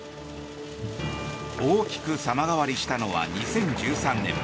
大きく様変わりしたのは２０１３年。